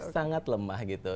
sangat lemah gitu